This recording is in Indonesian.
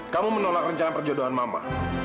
kamu menolak rencana perjodohan mama